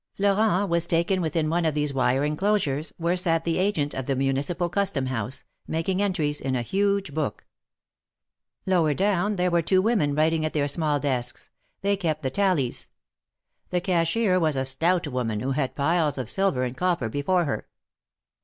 Florent was taken within one of these wire enclosures where sat the agent of the Municipal Custom House, TH^3 MARKETS OF PARIS. 127 making entries in a huge book. Lower down were two women writing at their small desks ; they kept the tallies. The cashier was a stout woman who had piles of silver and copper before her.